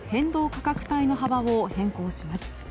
価格帯の幅を変更します。